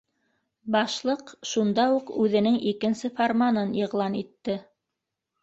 Башлыҡ шунда уҡ үҙенең икенсе фарманын иғлан итте: